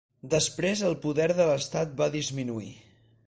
Després el poder de l'estat va disminuir.